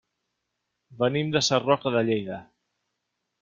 Venim de Sarroca de Lleida.